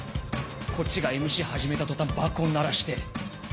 こっちがＭＣ始めた途端爆音鳴らして。